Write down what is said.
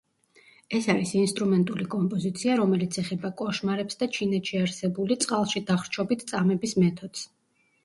ეს არის ინსტრუმენტული კომპოზიცია, რომელიც ეხება კოშმარებს და ჩინეთში არსებული წყალში დახრჩობით წამების მეთოდს.